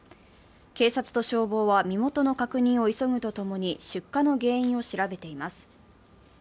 警察と消防は身元の確認を急ぐとともに出火の原因を調べています。